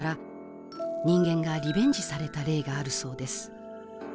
人間がリベンジされた例があるそうです